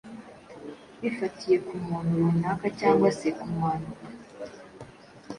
bifatiye ku muntu runaka cyangwa se ku mpanuka.